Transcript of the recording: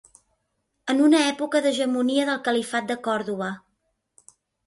En una època d'hegemonia del califat de Còrdova.